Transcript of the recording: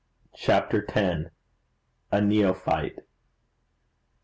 CHAPTER X. A NEOPHYTE.